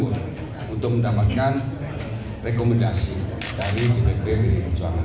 untuk mendapatkan rekomendasi dari ddp perjuangan